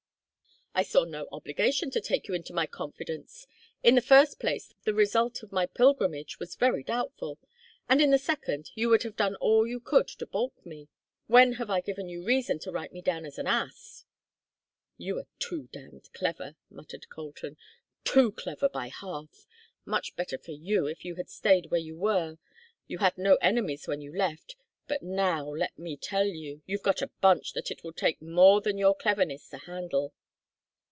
"I saw no obligation to take you into my confidence. In the first place the result of my pilgrimage was very doubtful, and in the second you would have done all you could to balk me. When have I given you reason to write me down an ass?" "You are too damned clever," muttered Colton. "Too clever by half. Much better for you if you had stayed where you were. You had no enemies when you left, but now, let me tell you, you've got a bunch that it will take more than your cleverness to handle."